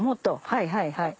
はいはいはい。